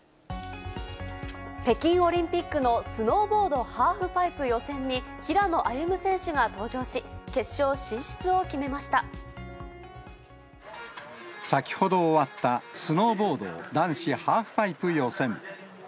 北京オリンピックのスノーボードハーフパイプ予選に、平野歩夢選手が登場し、先ほど終わった、スノーボード男子ハーフパイプ予選。